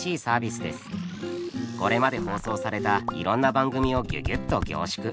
これまで放送されたいろんな番組をギュギュッと凝縮。